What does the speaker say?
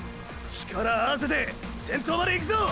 力合わせて先頭までいくぞ！！